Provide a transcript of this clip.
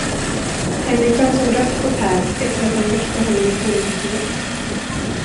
Henriksson såg rött på Pär efter att han väckte honom i fullmäktige.